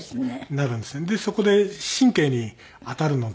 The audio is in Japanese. そこで神経に当たるので。